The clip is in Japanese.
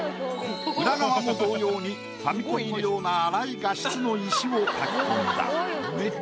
裏側も同様に「ファミコン」のような粗い画質の石を描き込んだ。